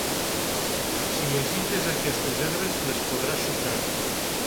Si agites aquestes herbes les podràs sucar.